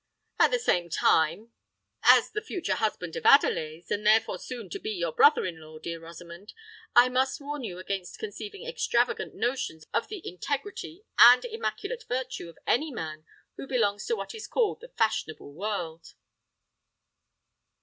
At the same time—as the future husband of Adelais, and therefore soon to be your brother in law, dear Rosamond—I must warn you against conceiving extravagant notions of the integrity and immaculate virtue of any man who belongs to what is called the Fashionable World."